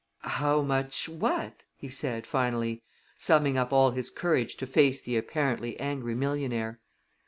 "How much what?" he said, finally, summoning up all his courage to face the apparently angry millionaire.